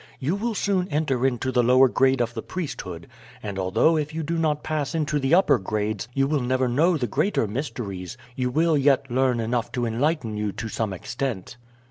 You will soon enter into the lower grade of the priesthood, and although if you do not pass into the upper grades you will never know the greater mysteries, you will yet learn enough to enlighten you to some extent."